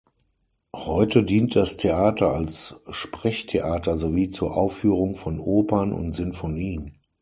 Heute dient das Theater als Sprechtheater sowie zur Aufführung von Opern und Sinfonien.